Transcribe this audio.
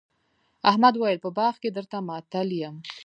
احمد وويل: په باغ کې درته ماتل یم.